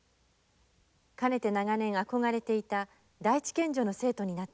かねて長年憧れていた第一県女の生徒になったのだ。